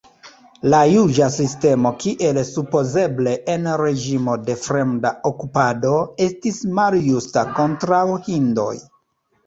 La juĝa sistemo, kiel supozeble en reĝimo de fremda okupado, estis maljusta kontraŭ hindoj.